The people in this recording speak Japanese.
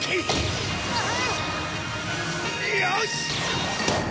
よし！